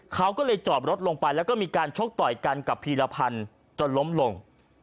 เขาก็เลยจอดรถลงไปแล้วก็มีการชกต่อยกันกับพีรพันธ์จนล้มลง